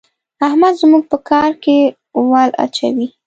احمد زموږ په کار کې ول اچوي.